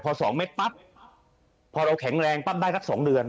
พอสองเม็ดปั๊บพอเราแข็งแรงปั๊บได้สัก๒เดือน